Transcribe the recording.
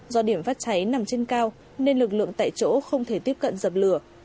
do điểm phát cháy nằm trên cao nên lực lượng tại chỗ không thể tiếp cận dập lửa